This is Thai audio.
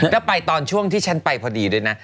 แล้วไปตอนช่วงที่ฉันไปพอดีด้วยนะ